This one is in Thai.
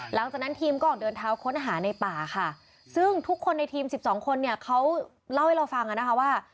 หลังจากนั้นทีมก็ออกเดินเท้าค้นหาในป่าค่ะซึ่งทุกคนในทีมสิบสองคนเนี่ยเขาเล่าให้เราฟังอ่ะนะคะว่า